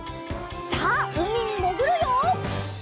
さあうみにもぐるよ！